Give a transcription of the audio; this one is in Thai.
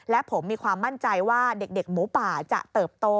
และผมมีความมั่นใจว่าเด็กหมูป่าจะเติบโต